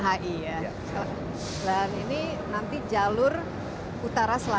sudah sepuluh menit atau tujuh principal